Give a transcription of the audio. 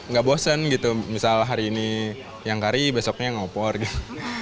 jadi nggak bosen gitu misalnya hari ini yang kari besoknya yang opor gitu